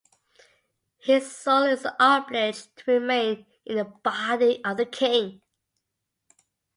His soul is obliged to remain in the body of the king.